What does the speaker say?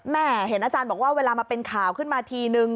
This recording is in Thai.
เห็นอาจารย์บอกว่าเวลามาเป็นข่าวขึ้นมาทีนึง